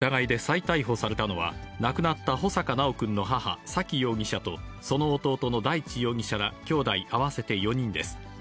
死体遺棄の疑いで再逮捕されたのは、亡くなった穂坂修くんの母、沙喜容疑者と、その弟の大地容疑者ら、きょうだい合わせて４人です。